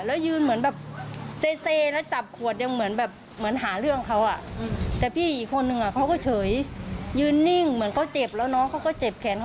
แล้วเนี่ยระบาดเจ็บเนี่ยเอาเรื่องจำเนินค่ะดีไหม